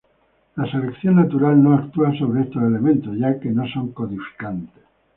La selección natural no actúa sobre estos elementos ya que no son codificantes.